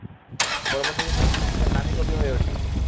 পরবর্তীতে তিনি একজন নামী কবি হয়ে ওঠেন।